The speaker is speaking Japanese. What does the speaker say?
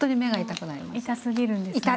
痛すぎるんですね。